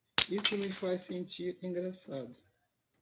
Isso me faz sentir engraçado.